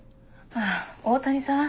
ああ大谷さん？